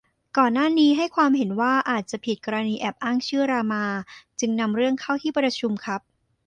ก่อนหน้านี้ให้ความเห็นว่าอาจจะผิด กรณีแอบอ้างชื่อ รามา จึงนำเรื่องเข้าที่ประชุมครับ